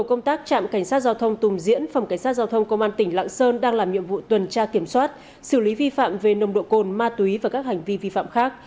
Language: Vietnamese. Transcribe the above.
công tác trạm cảnh sát giao thông tùm diễn phòng cảnh sát giao thông công an tỉnh lạng sơn đang làm nhiệm vụ tuần tra kiểm soát xử lý vi phạm về nồng độ cồn ma túy và các hành vi vi phạm khác